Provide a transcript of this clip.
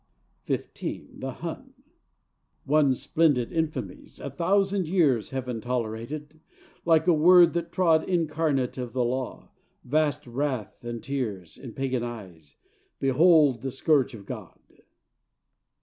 XV The Hun On splendid infamies a thousand years Heaven tolerated like a Word that trod Incarnate of the Law, vast wrath and tears In pagan eyes, behold the Scourge of God!